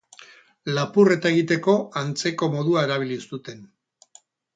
Lapurreta egiteko antzeko modua erabili zuten.